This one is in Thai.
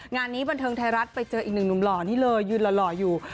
งานนี้บันเทิงไทยรัฐไปเจออีกหนึ่งหนุ่มหล่อนี่เลยยืนหล่ออยู่